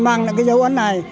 mang những dấu ấn này